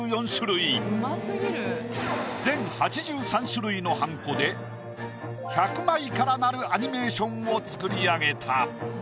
全８３種類のはんこで１００枚からなるアニメーションを作り上げた。